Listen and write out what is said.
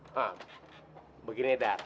hah begini dar